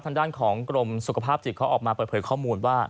ทางด้านของกรมสุขภาพจิตเขาออกมาเปิดเผยข้อมูลว่า